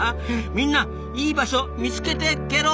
みんないい場所見つけてケロ！